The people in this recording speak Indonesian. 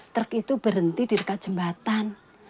truk itu berhenti di dekat jembatan